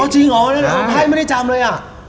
อ๋อจริงหรอวันนั้นไพ่ไม่ได้จำเลยอ่ะ